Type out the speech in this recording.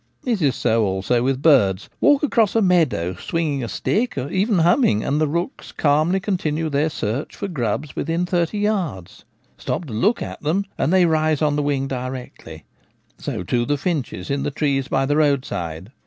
It is so also with birds. Walk across a meadow swinging a stick, even humming, and the rooks calmly continue their search for grubs within thirty yards; stop to look at them, and they rise on the wing directly. So, too, the finches in the trees by the roadside.